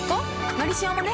「のりしお」もね